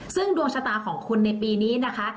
ซึ่งดวงชะตาของคุณในปีนี้นะคะ